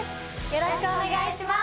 よろしくお願いします